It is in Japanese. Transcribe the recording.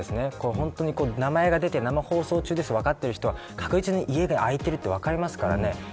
本当に、名前が出て生放送中ですと分かっている人は確実に空いていると分かりますからね。